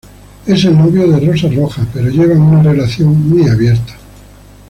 Es el novio de Rosa Roja, pero llevan una relación muy abierta.